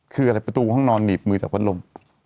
คืออะไรประตูห้องนอนหนีบมือจากพัดลม